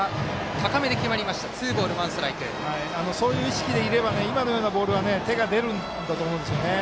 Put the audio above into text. そういう意識でいれば今のようなボールは手が出るんだと思いますね。